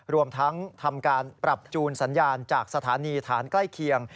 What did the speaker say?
รวมทั้งทำการปรับจูนสัญญาณจากสถานีฐานใกล้เคียง